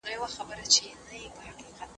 ادم په مځکه کي د الهي احکامو تطبیق پیل کړ.